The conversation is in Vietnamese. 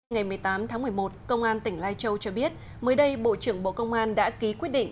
ngày một mươi tám tháng một mươi một công an tỉnh lai châu cho biết mới đây bộ trưởng bộ công an đã ký quyết định